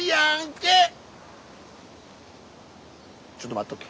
ちょっと待っとき。